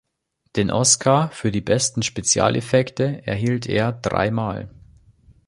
Den Oscar für die Besten Spezialeffekte erhielt er drei Mal.